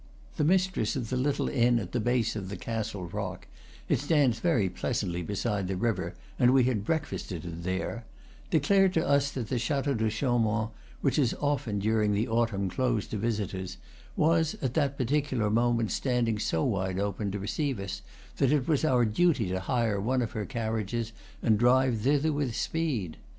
The mis tress of the little inn at the base of the castle rock it stands very pleasantly beside the river, and we had breakfasted there declared to us that the Chateau de Chaumont, which is often during the autumn closed to visitors, was at that particular moment standing so wide open to receive us that it was our duty to hire one of her carriages and drive thither with speed.